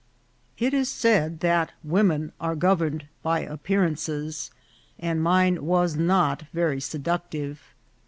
It is said that women are governed by appearances, and mine was not very seductive.